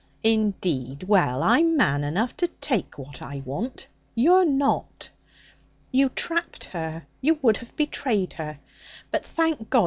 'Indeed! Well, I'm man enough to take what I want; you're not.' 'You trapped her; you would have betrayed her. But, thank God!